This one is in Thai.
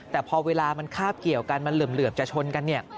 แต่พอเวลามันคาบเกี่ยวกันมันเหลื่อมจะชนกันเนี่ย